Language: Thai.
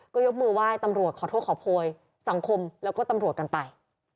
ก็ยกมือไหว้ตำรวจขอโทษขอโพยสังคมแล้วก็ตำรวจกันไป